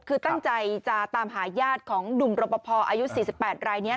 คือตั้งใจจะตามหายาดของดุมรปภออายุ๔๘รายเนี่ย